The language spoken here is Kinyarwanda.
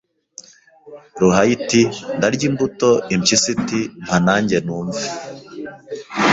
Ruhaya iti ndarya imbuto Impyisi iti mpa na njye numve